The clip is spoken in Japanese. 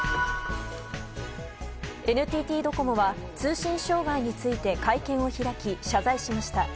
ＮＴＴドコモは通信障害について会見を開き、謝罪しました。